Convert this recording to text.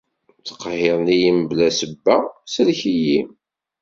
Ttqehhiren-iyi mebla ssebba, sellek-iyi!